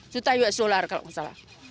sembilan puluh juta usd kalau nggak salah